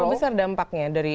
cukup besar dampaknya dari